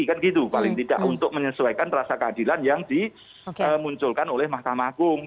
kan gitu paling tidak untuk menyesuaikan rasa keadilan yang dimunculkan oleh mahkamah agung